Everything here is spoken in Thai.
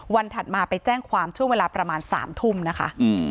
ถัดมาไปแจ้งความช่วงเวลาประมาณ๓ทุ่มนะคะ